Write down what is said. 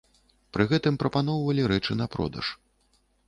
Пры гэтым прапаноўвалі рэчы на продаж.